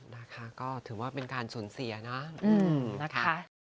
นะคะก็ถือว่าเป็นการสนเสียนะ